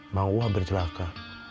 mang uu hampir celaka